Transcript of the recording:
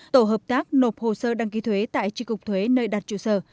tổ hợp tác nộp hồ sơ đăng ký thuế tại tri cục thuế nơi đặt trụ sở